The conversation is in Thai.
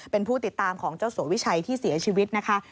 เป็นผู้ติดตามของเจ้าสัววิชัยที่เสียชีวิตนะคะ